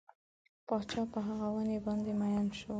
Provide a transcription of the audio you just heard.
پاچا په هغه ونې باندې مین شو.